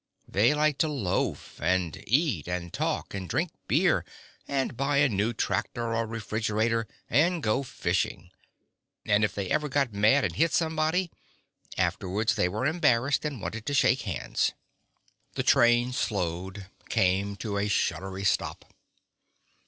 They liked to loaf and eat and talk and drink beer and buy a new tractor or refrigerator and go fishing. And if they ever got mad and hit somebody afterwards they were embarrassed and wanted to shake hands.... The train slowed, came to a shuddery stop.